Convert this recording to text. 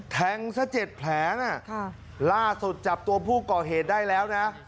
แทงซะเจ็ดแผลนะล่าสุดจับตัวผู้ก่อเหตุได้แล้วนะ